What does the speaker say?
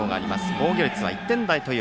防御率は１点台。